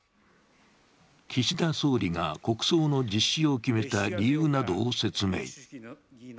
岸田総理が国葬の実施を決めた理由などを説明。